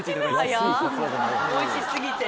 おいし過ぎて。